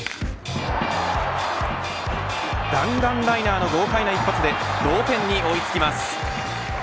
弾丸ライナーの豪快な一発で同点に追いつきます。